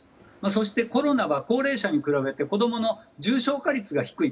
そして、コロナは高齢者に比べて子供の重症化率が低い。